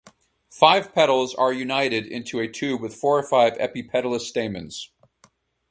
Five petals are united into a tube with four or five epipetalous stamens.